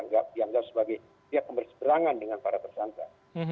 dianggap sebagai siap pemberseberangan dengan para tersangka